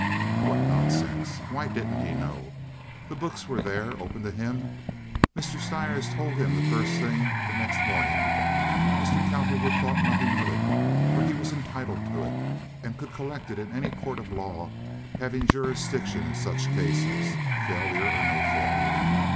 "What nonsense! Why didn't he know? The books were there, open to him. Mr. Stires told him the first thing the next morning. Mr. Cowperwood thought nothing of it, for he was entitled to it, and could collect it in any court of law having jurisdiction in such cases, failure or no failure.